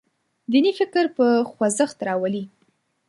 دیني فکر په خوځښت راولي.